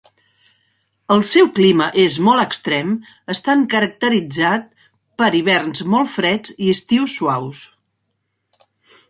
El seu clima és molt extrem, estant caracteritzar per hiverns molt freds i estius suaus.